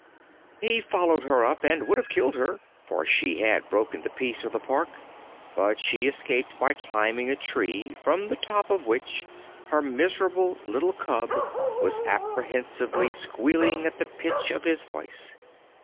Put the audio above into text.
He followed her up, and would have killed her, for she had broken the peace of the Park, but she escaped by climbing a tree, from the top of which her miserable little cub was apprehensively squealing at the pitch of his voice.